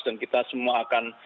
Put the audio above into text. dan kita semua akan